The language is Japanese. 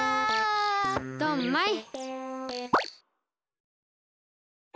ドンマイ！